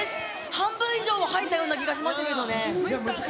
半分以上は入ったような気がしましたけれどもね。